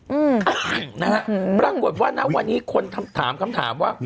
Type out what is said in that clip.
อืมนะฮะปรากฏว่าณวันนี้คนถามคำถามว่า